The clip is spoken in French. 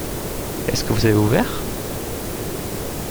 Est-ce que vous avez ouvert ?